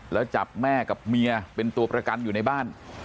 แล้วจับแม่กับเมียเป็นตัวประกันอยู่ในบ้าน